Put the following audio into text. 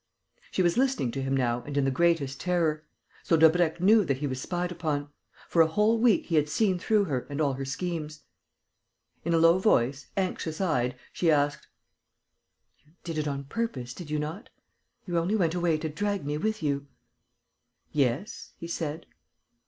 She was listening to him now and in the greatest terror. So Daubrecq knew that he was spied upon! For a whole week he had seen through her and all her schemes! In a low voice, anxious eyed, she asked: "You did it on purpose, did you not? You only went away to drag me with you?" "Yes," he said.